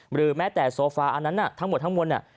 หรือแม้แต่โซฟาอันนั้นทั้งหมดทั้งมวลเนี่ย